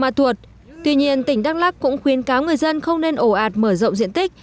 mùa mặt thuật tuy nhiên tỉnh đăng lác cũng khuyến cáo người dân không nên ổ ạt mở rộng diện tích